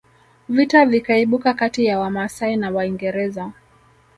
Vita vikaibuka kati ya Wamasai na Waingereza